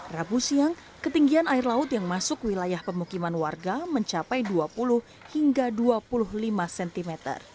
rabu siang ketinggian air laut yang masuk wilayah pemukiman warga mencapai dua puluh hingga dua puluh lima cm